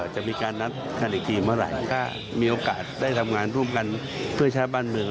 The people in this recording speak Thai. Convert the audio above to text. จะมีการนัดกันอีกทีเมื่อไหร่ถ้ามีโอกาสได้ทำงานร่วมกันเพื่อใช้บ้านเมือง